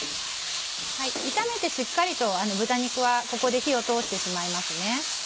炒めてしっかりと豚肉はここで火を通してしまいますね。